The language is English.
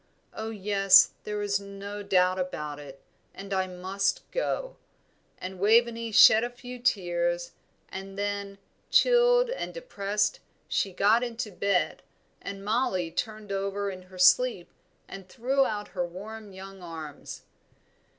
Oh, yes; there is no doubt about it, and I must go;" and Waveney shed a few tears, and then, chilled and depressed, she got into bed; and Mollie turned over in her sleep and threw out her warm young arms.